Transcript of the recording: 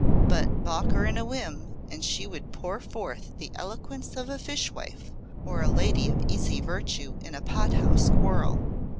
But balk her in a whim, and she would pour forth the eloquence of a fish wife or a lady of easy virtue in a pot house quarrel.